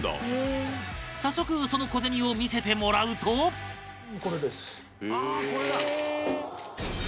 早速その小銭を見せてもらうとこれです。